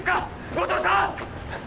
後藤さん